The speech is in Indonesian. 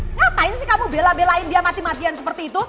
ngapain sih kamu bela belain dia mati matian seperti itu